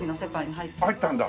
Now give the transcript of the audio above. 入ったんだ？